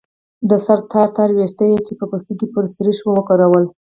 د سر تار تار ويښته يې چې په پوستکي پورې سرېښ وو وګرول.